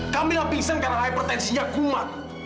kamilah pingsan karena hipertensinya kuat